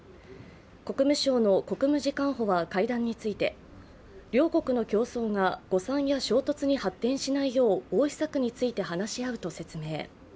国務省の国務次官補は会談について両国の競争が誤差や衝突に発展しないよう防止策について話し合うと説明。